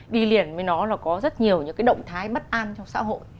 đi liền với nó là có rất nhiều những cái động thái bất an trong xã hội